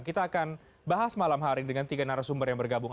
kita akan bahas malam hari dengan tiga narasumber yang bergabung